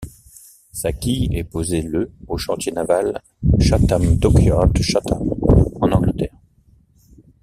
Sa quille est posée le au chantier naval Chatham Dockyard de Chatham, en Angleterre.